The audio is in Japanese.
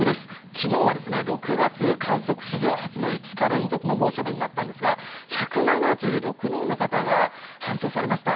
昨日は６月、観測史上初の５日連続の猛暑日になったんですが１７６人の方が搬送されました。